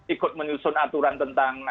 ikut menyusun aturan tentang